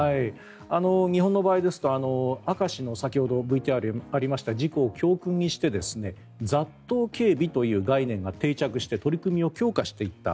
日本の場合ですと明石の先ほどＶＴＲがありました事故を教訓にして雑踏警備という概念が定着して取り組みを強化していった。